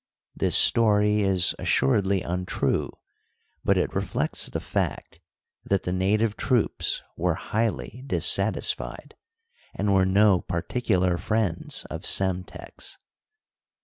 This story is assuredly untrue, but it reflects the fact that the native troops were highly dis satisfied, and were no particular friends of Psemtek's.